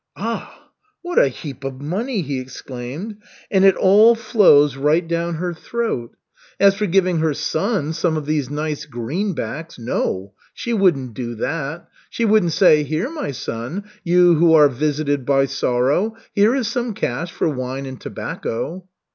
"Ah, what a heap of money!" he exclaimed. "And it all flows right down her throat. As for giving her son some of these nice greenbacks, no, she wouldn't do that. She wouldn't say: 'Here, my son, you who are visited by sorrow, here is some cash for wine and tobacco.'"